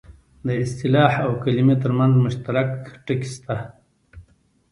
د اصطلاح او کلمې ترمنځ مشترک ټکي شته